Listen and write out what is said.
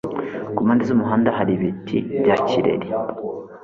ku mpande z'umuhanda hari ibiti bya kireri